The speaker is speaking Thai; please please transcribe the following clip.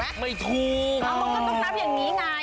อ้าวมันก็ต้องนับอย่างนี้ไง